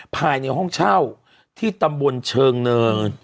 ภายในห้องเช่าที่ตำบลเชิงเนิน